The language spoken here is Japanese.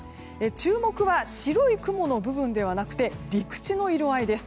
注目は白い雲の部分ではなくて陸地の色合いです。